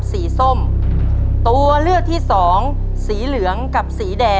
ต้นไม้ประจำจังหวัดระยองการครับ